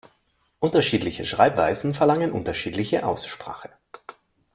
Unterschiedliche Schreibweisen verlangen unterschiedliche Aussprache.